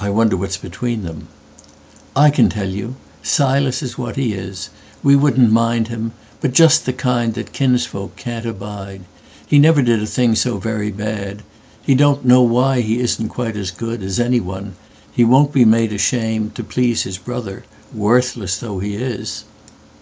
"I wonder what's between them.""I can tell you. Silas is what he is—we wouldn't mind him—But just the kind that kinsfolk can't abide. He never did a thing so very bad. He don't know why he isn't quite as goodAs anyone. He won't be made ashamedTo please his brother, worthless though he is."